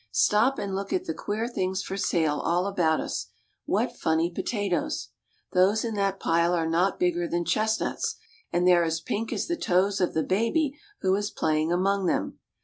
Stop and look at the queer things for sale all about us. What funny potatoes ! Those in that pile are not bigger than chestnuts, and they are as pink as the toes of the baby who is playing among them.